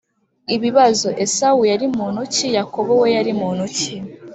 Ibibazo Esawu yari muntu ki Yakobo we yari muntu ki